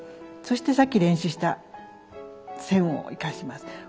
そしてさっき練習した線を生かします。